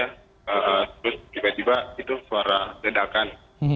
terus tiba tiba itu suara ledakan